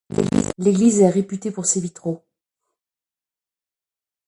L'église est réputée pour ses vitraux.